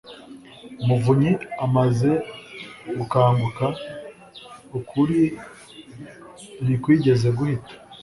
Muvunyi amaze gukanguka, ukuri ntikwigeze guhita